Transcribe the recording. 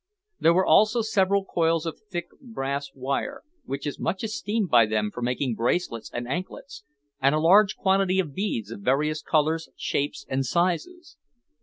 There were also several coils of thick brass wire, which is much esteemed by them for making bracelets and anklets; and a large quantity of beads of various colours, shapes, and sizes.